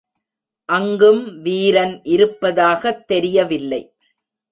அங்கும் வீரன் இருப்பதாகத் தெரியவில்லை.